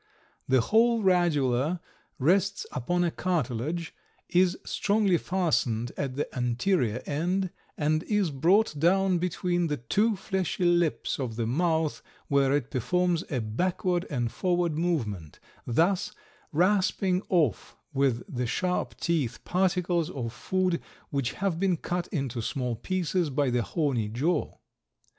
The whole radula rests upon a cartilage, is strongly fastened at the anterior end, and is brought down between the two fleshy lips of the mouth where it performs a backward and forward movement, thus rasping off with the sharp teeth particles of food which have been cut into small pieces by the horny jaw.